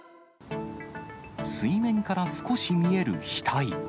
水面から少し見える額。